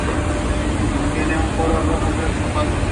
A su vez, rocas del subsuelo profundo son expulsadas a la superficie.